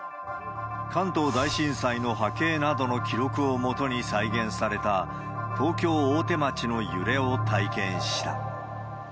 関東大震災の波形などの記録をもとに再現された東京・大手町の揺れを体験した。